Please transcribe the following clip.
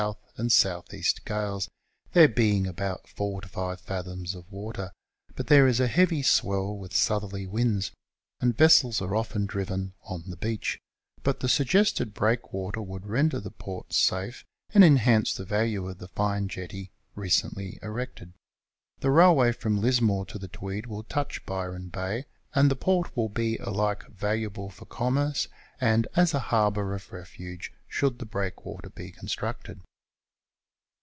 and S.E. gales, there being about 4 to 5 fathoms of water, but there is a heavy swell with southerly winds, and vessels are often driven on the beach, but the suggested breakwater would render the port safe and enhance the value of the fine jetty recently erected. The railway from Lismore to the Tweed will touch Byron Bay, and the port will be alike valuable for commerce and as a harbour of refuge should the breakwater be confjtructed.